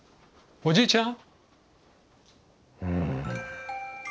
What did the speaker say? おじいちゃん！